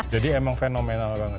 jadi emang fenomenal banget